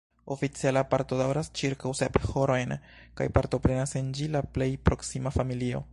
Oficiala parto daŭras ĉirkaŭ sep horojn kaj partoprenas en ĝi la plej proksima familio.